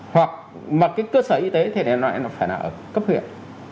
hoặc mà cái cơ sở y tế thì nó phải là ở cấp huyện